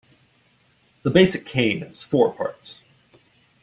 The basic cane has four parts.